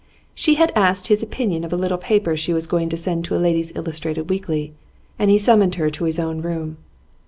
She had asked his opinion of a little paper she was going to send to a ladies' illustrated weekly, and he summoned her to his own room.